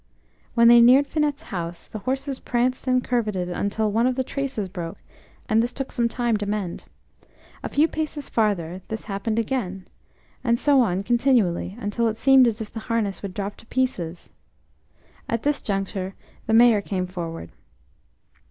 When they neared Finette's house the horses pranced and curveted until one of the traces broke, and this took some time to mend. A few paces farther, this happened again, and so on continually, until it seemed as if the harness would drop to pieces. At this juncture the Mayor came forward.